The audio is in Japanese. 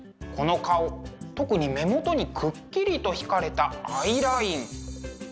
特に目元にくっきりと引かれたアイライン。